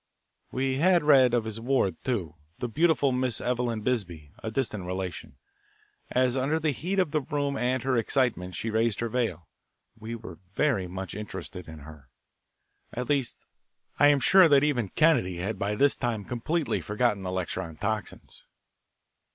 We had read of his ward, too, the beautiful Miss Eveline Bisbee, a distant relation. As under the heat of the room and her excitement, she raised her veil, we were very much interested in her. At least, I am sure that even Kennedy had by this time completely forgotten the lecture on toxins.